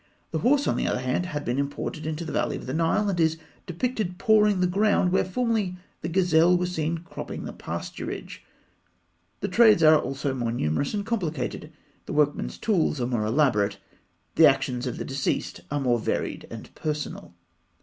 The horse, on the other hand, had been imported into the valley of the Nile, and is depicted pawing the ground where formerly the gazelle was seen cropping the pasturage. The trades are also more numerous and complicated; the workmen's tools are more elaborate; the actions of the deceased are more varied and personal.